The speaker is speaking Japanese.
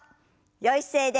よい姿勢で。